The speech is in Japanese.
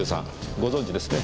ご存じですね？